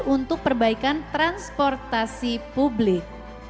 untuk perbaikan transportasi publik